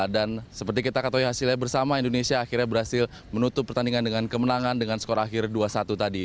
dan seperti kita ketahui hasilnya bersama indonesia akhirnya berhasil menutup pertandingan dengan kemenangan dengan skor akhir dua satu tadi